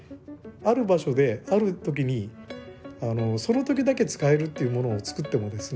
ある場所である時にその時だけ使えるというものを作ってもですね